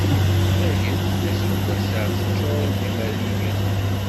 Bgayet, aseggas-a teččur d imerriyen.